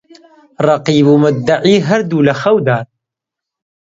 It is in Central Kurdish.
ڕەقیب و موددەعی هەردوو لە خەودان